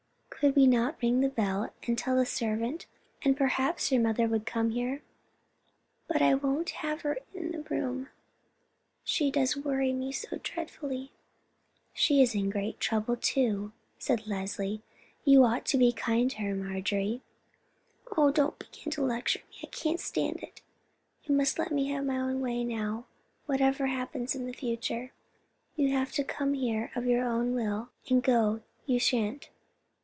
"Could we not ring the bell and tell the servant, and perhaps your mother would come here?" "But I won't have her in the room; she does worry me so dreadfully." "She is in great trouble, too," said Leslie. "You ought to be kind to her, Marjorie." "Oh, don't begin to lecture me; I can't stand it. You must let me have my own way now, whatever happens in the future. You have come here of your own will, and go you shan't."